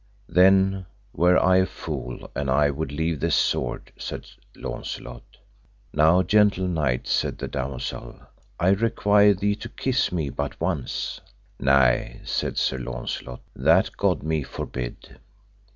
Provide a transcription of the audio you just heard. Then were I a fool an I would leave this sword, said Launcelot. Now, gentle knight, said the damosel, I require thee to kiss me but once. Nay, said Sir Launcelot, that God me forbid.